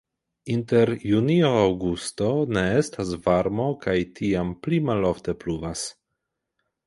Inter junio-aŭgusto ne estas varmo kaj tiam pli malofte pluvas.